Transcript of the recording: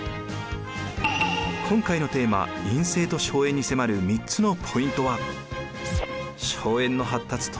今回のテーマ「院政と荘園」に迫る３つのポイントは。